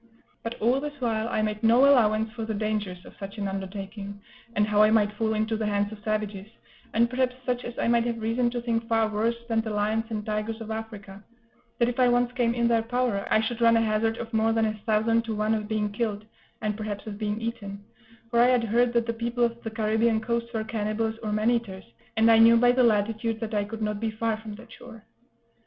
But all this while I made no allowance for the dangers of such an undertaking, and how I might fall into the hands of savages, and perhaps such as I might have reason to think far worse than the lions and tigers of Africa: that if I once came in their power, I should run a hazard of more than a thousand to one of being killed, and perhaps of being eaten; for I had heard that the people of the Caribbean coast were cannibals or man eaters, and I knew by the latitude that I could not be far from that shore.